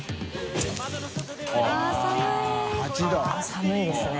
寒いですね